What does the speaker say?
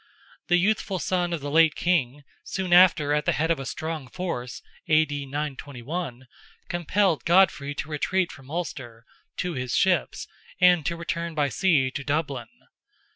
The youthful son of the late king, soon after at the head of a strong force (A.D. 921), compelled Godfrey to retreat from Ulster, to his ships, and to return by sea to Dublin.